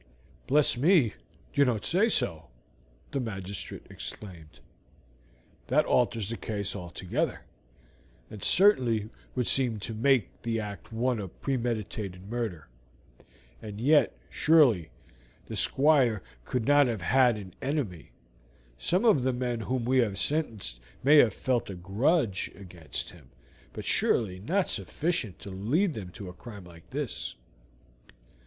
"Bless me, you don't say so!" the magistrate exclaimed. "That alters the case altogether, and certainly would seem to make the act one of premeditated murder; and yet, surely, the Squire could not have had an enemy. Some of the men whom we have sentenced may have felt a grudge against him, but surely not sufficient to lead them to a crime like this."